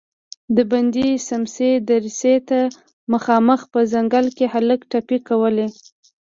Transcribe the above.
د بندې سمڅې دريڅې ته مخامخ په ځنګله کې هلک ټپې کولې.